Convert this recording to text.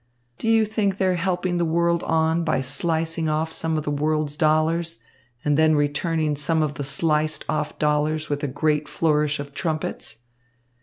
Do you think they're helping the world on by slicing off some of the world's dollars and then returning some of the sliced off dollars with a great flourish of trumpets?